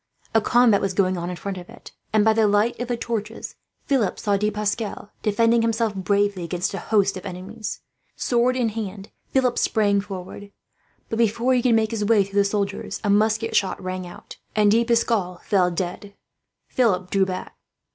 A combat was going on in front of it and, by the light of the torches, Philip saw De Pascal defending himself bravely against a host of enemies. Sword in hand, Philip sprang forward. But before he could make his way through the soldiers, a musket shot rang out, and De Pascal fell dead. Philip drew back.